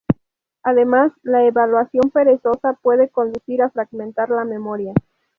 Además, la evaluación perezosa puede conducir a fragmentar la memoria.